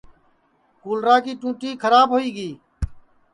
کولرا کی ٹونٚٹی کھراب ہوئی گی